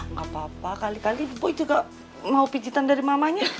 nggak apa apa kali kali ibu juga mau picitan dari mamanya